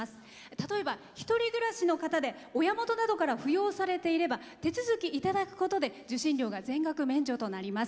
例えば、１人暮らしの方で親元などから扶養されていれば手続きいただくことで受信料が全額免除となります。